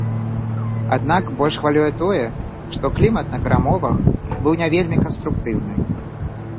Аднак больш хвалюе тое, што клімат на перамовах быў не вельмі канструктыўны.